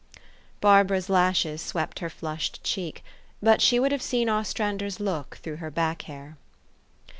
Barbara's lashes swept her flushed cheek ; but she would have seen Ostrander's look through her back hair.